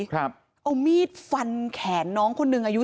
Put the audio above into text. เอามีดฟันแขนน้องคนนึงอายุ๑๖อ่ะ